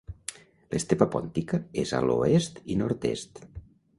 L'estepa pòntica és a l'oest i nord-est.